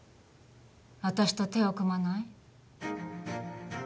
私と手を組まない？